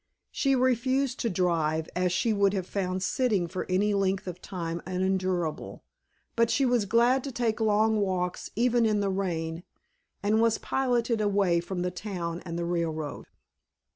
She refused to drive, as she would have found sitting for any length of time unendurable, but she was glad to take long walks even in the rain and was piloted away from the town and the railroad.